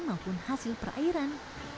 maupun hasil perairan